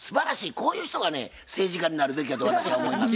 こういう人がね政治家になるべきやと私は思います。